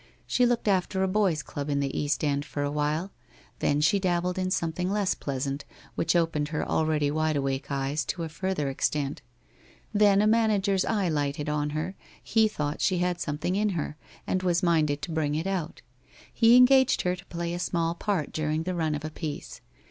She looked after a boys' club in the East End for a while, then she dabbled in something less pleasant, which opened her already wideawake eyes to a farther extent. Then a manager's eve lighted on her, he thought she had something in her, and was minded to bring it out. lie engaged her to play a small part dur ing the run of a piece.